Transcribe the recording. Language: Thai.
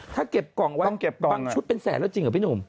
ถ้าเก็บกล่องไว้บางชุดเป็นแสนแล้วจริงเหรอพี่หนุ่ม